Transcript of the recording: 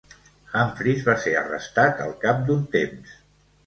Humphries va ser arrestat al cap d'un temps.